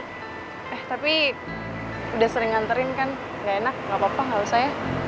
eeeem eh tapi udah sering hantarin kan gak enak gak apa apa gak usah ya